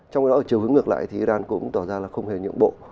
trong khi đó ở chiều hướng ngược lại thì iran cũng tỏ ra là không hề nhượng bộ